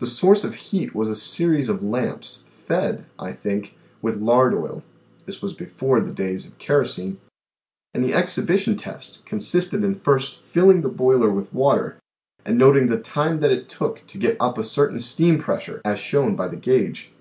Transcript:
The source of heat was a series of lamps, fed, I think, with lard oil (this was before the days of kerosene), and the ex hibition test consisted in first filling the boiler with water, and noting the time that it took to get up a certain steam pressure as shown by the gage."